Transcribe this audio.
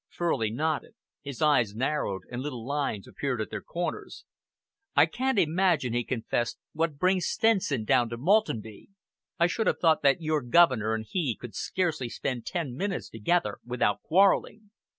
Furley nodded. His eyes narrowed, and little lines appeared at their corners. "I can't imagine," he confessed. "What brings Stenson down to Maltenby. I should have thought that your governor and he could scarcely spend ten minutes together without quarrelling!"